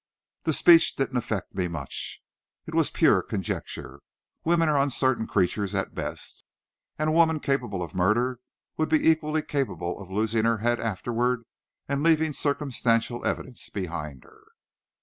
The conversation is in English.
This speech didn't affect me much. It was pure conjecture. Women are uncertain creatures, at best; and a woman capable of murder would be equally capable of losing her head afterward, and leaving circumstantial evidence behind her.